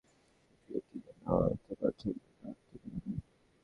মহারাজের কানে এ চিঠির কথা উঠিলে কি যে অনর্থপাত হইবে তাহার ঠিকানা নাই।